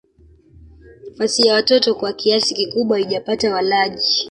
Fasihi ya watoto kwa kiasi kikubwa haijapata walaji.